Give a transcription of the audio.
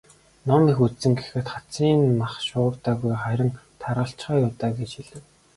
"Ном их үзсэн гэхэд хацрын нь мах шуугдаагүй, харин таргалчихаа юу даа" гэж хэлэв.